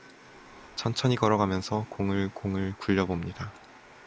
천천히 걸어가면서 공을 공을 굴려 봅니다.